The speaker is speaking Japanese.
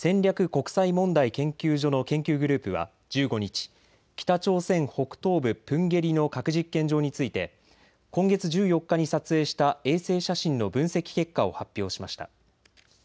国際問題研究所の研究グループは１５日、北朝鮮北東部プンゲリの核実験場について今月１４日に撮影した衛星写真の分析結果を発表しました。